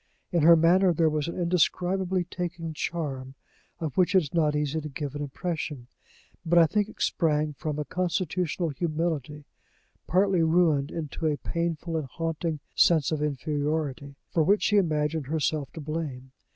In her manner there was an indescribably taking charm, of which it is not easy to give an impression; but I think it sprang from a constitutional humility, partly ruined into a painful and haunting sense of inferiority, for which she imagined herself to blame.